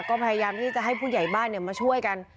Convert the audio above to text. ก็พยายามที่จะให้ผู้ใหญ่บ้านมาช่วยกัน